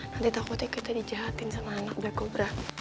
nanti takutnya kita di jahatin sama anak black cobra